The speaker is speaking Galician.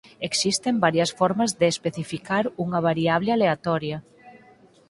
Existen varias formas de especificar unha variable aleatoria.